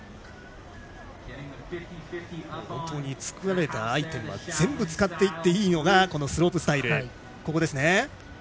本当に作られたアイテムは全部使っていっていいのがこのスロープスタイル。